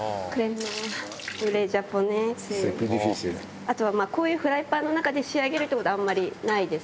あとは、こういうフライパンの中で仕上げるということは、あんまりないです。